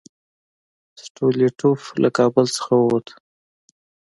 سټولیټوف له کابل څخه ووت.